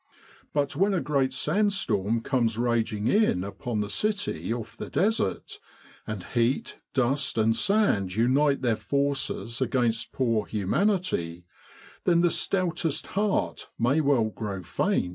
But when a great sand storm comes raging in upon the city off the Desert, and heat, dust, and sand unite their forces against poor humanity then the stoutest heart may well grow faint.